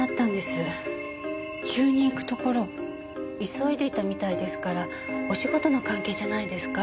急いでいたみたいですからお仕事の関係じゃないですか？